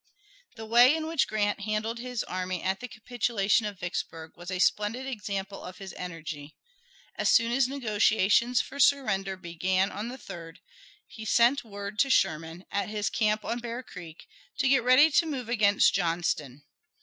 The way in which Grant handled his army at the capitulation of Vicksburg was a splendid example of his energy. As soon as negotiations for surrender began on the 3d, he sent word to Sherman, at his camp on Bear Creek, to get ready to move against Johnston.